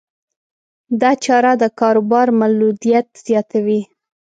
دا چاره د کاروبار مولدیت زیاتوي.